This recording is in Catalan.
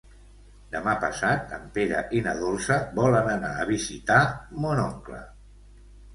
Demà passat en Pere i na Dolça volen anar a visitar mon oncle.